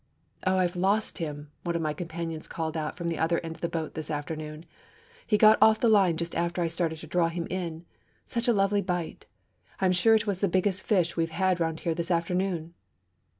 'Oh, I've lost him!' one of my companions called out from the other end of the boat this afternoon. 'He got off the line just after I started to draw him in; such a lovely bite; I'm sure it was the biggest fish we've had round here this afternoon!'